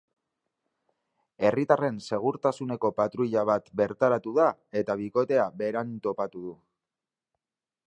Herritarren segurtasuneko patruila bat bertaratu da eta bikotea beran topatu du.